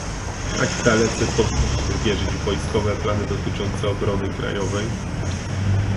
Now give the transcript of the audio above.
Jak dalece powinniśmy wierzyć w wojskowe plany dotyczące obrony krajowej?